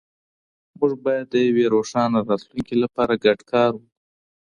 موږ باید د یو روښانه راتلونکي لپاره ګډ کار وکړو.